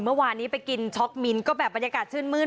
เมื่อวานนี้ไปกินช็อกมินก็แบบบรรยากาศชื่นมืด